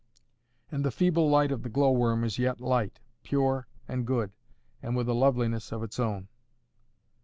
And the feeble light of the glowworm is yet light, pure, and good, and with a loveliness of its own.